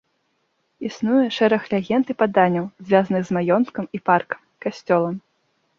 Існуе шэраг легенд і паданняў, звязаных з маёнткам і паркам, касцёлам.